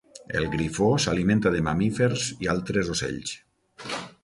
El grifó s'alimenta de mamífers i altres ocells.